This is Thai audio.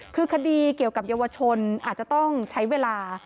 คือคดีเกี่ยวกับเยาวชนอาจจะต้องใช้เวลา